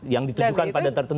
yang ditujukan pada tertentu